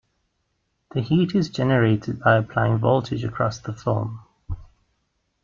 The heat is generated by applying voltage across the film.